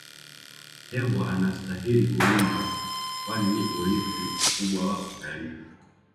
tembo anastahili kulindwa kwani ni urithi mkubwa wa utalii